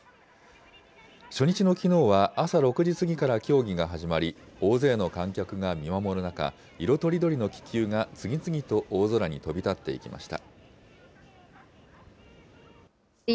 初日のきのうは、朝６時過ぎから競技が始まり、大勢の観客が見守る中、色とりどりの気球が次々と大空に飛び立っていきました。